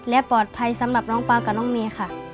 และปลอดภัยสำหรับน้องปลากับน้องเมย์ค่ะ